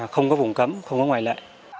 không có vùng cấm không có ngoại lệ